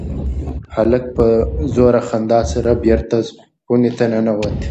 هلک په زوره خندا سره بېرته خونې ته ننوت.